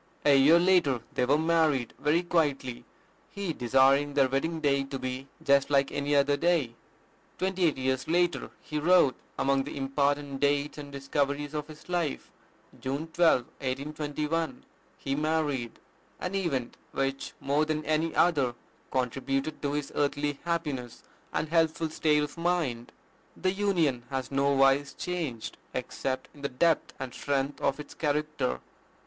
A year later they were married very quietly, he desiring their wedding day to be "just like any other day." Twenty eight years later he wrote among the important dates and discoveries of his life, "June 12, 1821, he married, an event which, more than any other, contributed to his earthly happiness and healthful state of mind. The union has nowise changed, except in the depth and strength of its character."